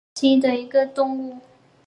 威远华溪蟹为溪蟹科华溪蟹属的动物。